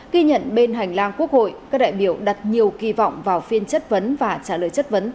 ghi nhận bên hành lang quốc hội các đại biểu đặt nhiều kỳ vọng vào phiên chất vấn và trả lời chất vấn